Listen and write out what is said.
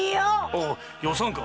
おいよさんか。